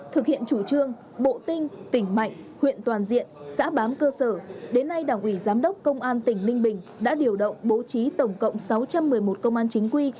thực hiện chủ trương bộ tinh tỉnh mạnh huyện toàn diện xã bám cơ sở đến nay đảng ủy giám đốc công an tỉnh ninh bình đã điều động bố trí tổng cộng sáu trăm một mươi một công an chính quy